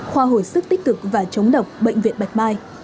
khoa hồi sức tích cực và chống độc bệnh viện bạch mai